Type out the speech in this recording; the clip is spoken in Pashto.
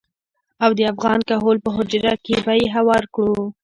او د افغان کهول په حجره کې به يې هوار کړو.